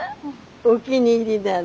お気に入りなの。